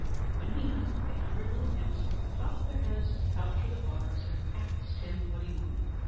When he knocked, a hundred little imps popped their heads out through the bars, and axed him what he wanted.